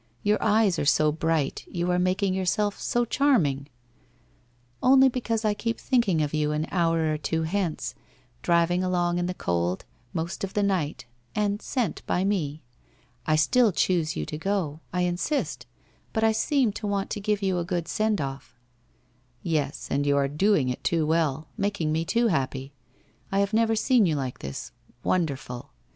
Your eyes are so bright — you are making yourself so charming '' Only because I keep thinking of you an hour or two hence, driving along in the cold, most of the night and sent by me. I still choose you to go, I insist, but I seem to want to give you a good send off !'' Yes, and you are doing it too well, making me too happy. I have never seen you like this. Wonderful